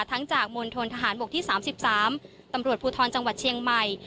จากมณฑนทหารบกที่๓๓ตำรวจภูทรจังหวัดเชียงใหม่